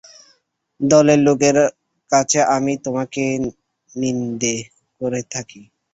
দলের লোকের কাছে আমি তোমাকে নিন্দে করে থাকি।